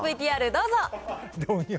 ＶＴＲどうぞ。